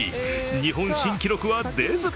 日本新記録は出ず。